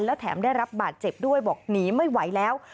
แล้วแถมได้รับบาดเจ็บด้วยบอกหนีไม่ไหวแล้ว